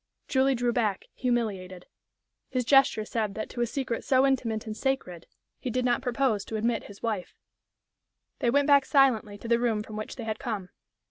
Julie drew back, humiliated. His gesture said that to a secret so intimate and sacred he did not propose to admit his wife. They went back silently to the room from which they had come.